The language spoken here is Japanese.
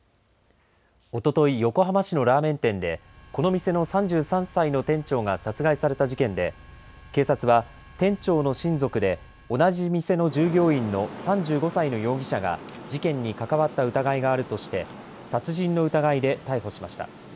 おととい、横浜市のラーメン店でこの店の３３歳の店長が殺害された事件で警察は店長の親族で同じ店の従業員の３５歳の容疑者が事件に関わった疑いがあるとして殺人の疑いで逮捕しました。